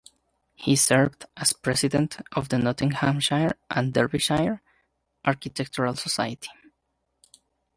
He served as president of the Nottinghamshire and Derbyshire Architectural Society.